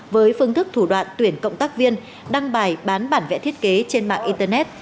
với phương thức thủ đoạn tuyển cộng tác viên đăng bài bán bản vẽ thiết kế trên mạng internet